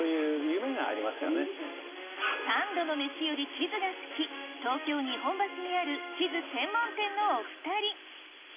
三度の飯より地図が好き東京・日本橋にある地図専門店のお２人